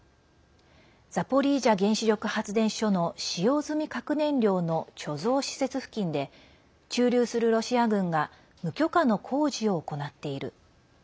ザポリージャ原子力発電所の使用済み核燃料の貯蔵施設付近で駐留するロシア軍が無許可の工事を行っている。